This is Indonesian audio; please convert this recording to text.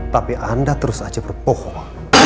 tapi anda terus saja berbohong